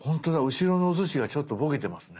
後ろのおすしがちょっとボケてますね。